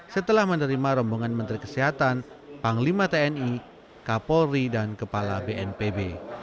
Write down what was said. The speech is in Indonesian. setelah menerima rombongan menteri kesehatan panglima tni kapolri dan kepala bnpb